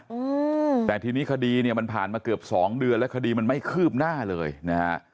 อืมแต่ทีนี้คดีเนี้ยมันผ่านมาเกือบสองเดือนแล้วคดีมันไม่คืบหน้าเลยนะฮะ